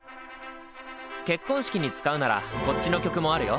結婚式に使うならこっちの曲もあるよ。